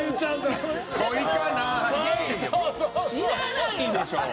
知らないでしょ！